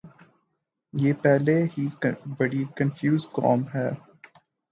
یہ پہلے ہی بڑی کنفیوز قوم ہے۔